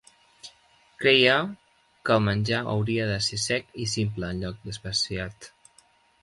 Creia que el menjar hauria de ser sec i simple, en lloc d'especiat.